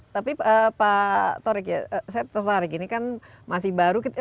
tapi pak torek saya tertarik ini kan masih baru